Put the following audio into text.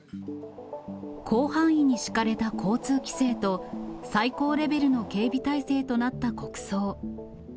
広範囲に敷かれた交通規制と、最高レベルの警備態勢となった国葬。